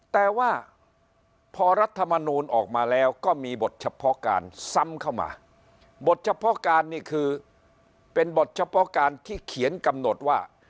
แต่ว่าพอรัฐมนูลออกมาแล้วก็มีบทเฉพาะการซ้ำเข้ามาบทเฉพาะการนี่คือเป็นบทเฉพาะการที่เขียนกำหนดว่า